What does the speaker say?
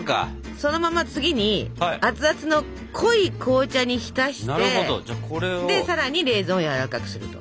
そのまま次にアツアツの濃い紅茶に浸してさらにレーズンをやわらかくすると。